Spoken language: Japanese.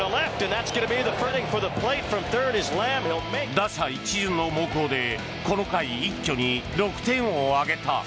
打者一巡の猛攻でこの回、一挙に６点を挙げた。